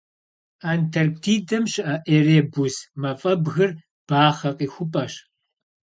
Антарктидэм щыӏэ Эребус мафӏэбгыр бахъэ къихупӏэщ.